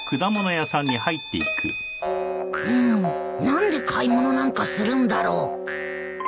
何で買い物なんかするんだろう